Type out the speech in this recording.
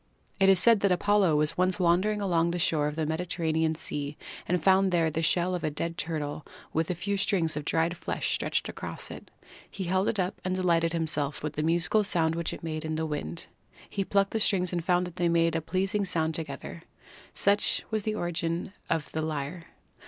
It is said that Apollo was once wandering along the shore of the Mediterranean Sea and found there the shell of a dead turtle with a few strings of dried flesh stretched across it. He held it up and delighted himself with the musical sound which it made in the wind. He plucked the strings and found they made a pleasing sound together. Such was the origin of the lyre.